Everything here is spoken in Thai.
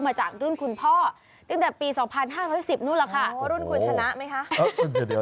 มาจากรุ่นคุณพ่อจึงแต่ปีสองพันห้าโหมดขึ้นก็แล้วรุ่นคุณชนะไหมคะ